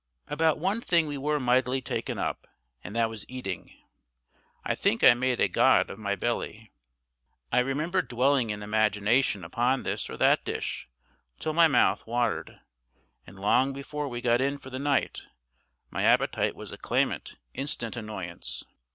About one thing we were mightily taken up, and that was eating. I think I made a god of my belly. I remember dwelling in imagination upon this or that dish till my mouth watered; and long before we got in for the night my appetite was a clamant, instant annoyance.